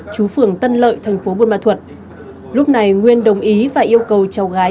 chú phường tân lợi thành phố buôn ma thuật lúc này nguyên đồng ý và yêu cầu cháu gái